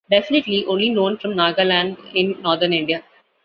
Definitely only known from Nagaland in northern India.